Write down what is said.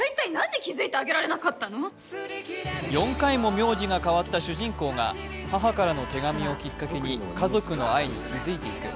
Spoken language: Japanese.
４回も名字が変わった主人公が母からの手紙をきっかけに家族の愛に気づいていく。